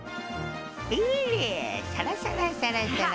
ほれさらさらさらさら。